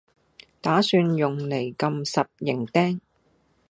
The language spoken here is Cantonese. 打算用嚟撳實營釘